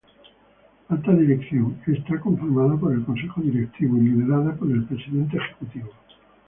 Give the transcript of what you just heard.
Alta Dirección: Está conformada por el Consejo Directivo y liderada por el Presidente Ejecutivo.